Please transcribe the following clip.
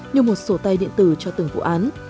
như một sổ tay điện tử cho từng vụ án